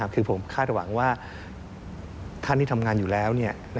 คือผมคาดหวังว่าท่านที่ทำงานอยู่แล้ว